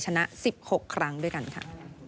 ชนะสิบหกครั้งด้วยกันค่ะ